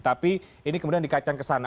tapi ini kemudian dikaitkan ke sana